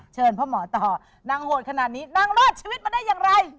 สร้างรอดชีวิตมาเลยอย่างไร